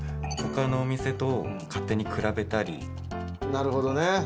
なるほどね。